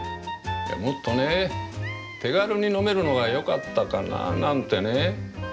もっとね手軽に飲めるのがよかったかななんてね。